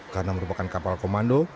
karena merupakan kapal komando